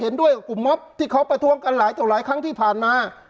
เห็นด้วยกลุ่มโมทรที่เขาประทวงกันหลายครั้งที่ผ่านมา